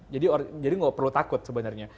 jadi nggak perlu takut sebenarnya